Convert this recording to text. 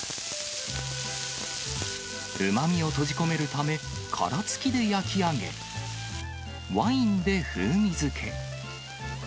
うまみを閉じ込めるため、殻付きで焼き上げ、ワインで風味づけ。